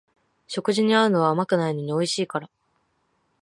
食事に合うのは甘くないのにおいしいから